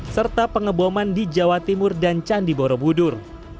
serta pengeboman di jawa timur dan candi borobudur